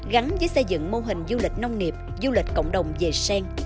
gắn với xây dựng mô hình du lịch nông nghiệp du lịch cộng đồng về sen